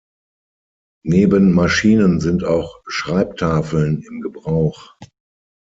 Neben Maschinen sind auch Schreibtafeln im Gebrauch.